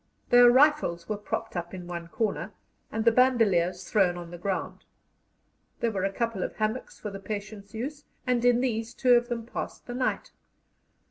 Their rifles were propped up in one corner, and the bandoliers thrown on the ground. There were a couple of hammocks for the patients' use, and in these two of them passed the night.